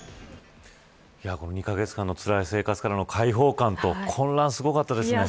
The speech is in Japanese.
２カ月間のつらい生活からの解放感と混乱がすごかったですね。